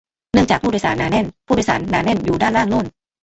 เนื่องจาก "ผู้โดยสาร" หนาแน่น "ผู้โดยสาร" หนาแน่นอยู่ด้านล่างโน่น